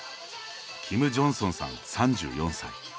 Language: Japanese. キム・ジョンソンさん、３４歳。